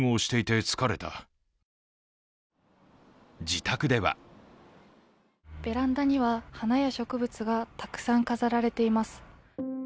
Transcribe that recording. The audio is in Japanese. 自宅ではベランダには花や植物がたくさん飾られています。